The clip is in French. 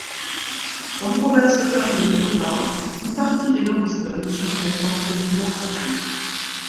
Comme Robert Sutton de Clonard, une partie des Lauriston s'implantera solidement en Inde.